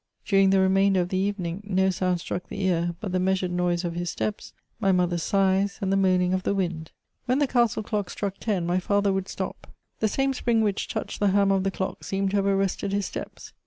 During the remainder of the evening, no sound struck the ear but the measured noise of his steps, my mother's sighs, and the moaning of the wind. When the castle clock struck ten, my father would stop ; the same spring which touched the hammer of the clock seemed to have arrested his steps.